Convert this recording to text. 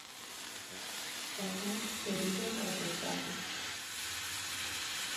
ساعت حدود دوازده است.